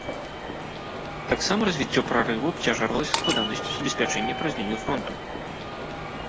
Таксама развіццё прарыву абцяжарвалася складанасцю забеспячэння праз лінію фронту.